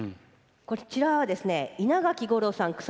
こちらは稲垣吾郎さん